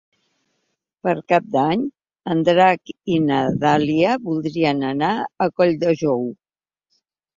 Per Cap d'Any en Drac i na Dàlia voldrien anar a Colldejou.